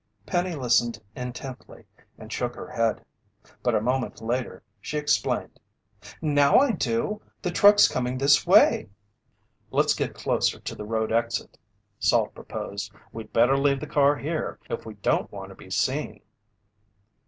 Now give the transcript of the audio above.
Penny listened intently and shook her head. But a moment later, she explained: "Now I do! The truck's coming this way." "Let's get closer to the road exit," Salt proposed. "We'd better leave the car here, if we don't want to be seen."